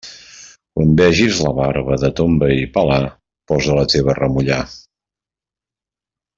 Quan vegis la barba de ton veí pelar, posa la teva a remullar.